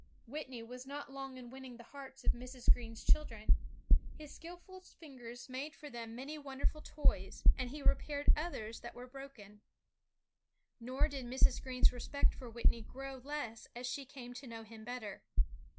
Whitney was not long in winning the hearts of Mrs. Greene's children. His skillful fingers made for them ELI WHITNEY many wonderful toys, and he repaired others that were broken. Nor did Mrs. Greene's respect for Whitney grow less as she came to know him better.